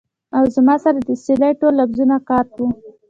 او زما سره د تسلۍ ټول لفظونه قات وو ـ